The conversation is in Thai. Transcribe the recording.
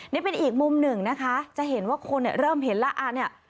นี่เป็นอีกมุมหนึ่งนะคะจะเห็นว่าคนเริ่มเห็นแล้ว